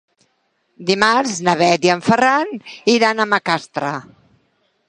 Dimarts na Bet i en Ferran iran a Macastre.